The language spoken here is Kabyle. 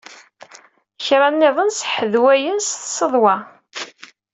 Kra niḍen sḥedwayen s tseḍwa.